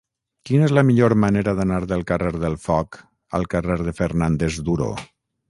Quina és la millor manera d'anar del carrer del Foc al carrer de Fernández Duró?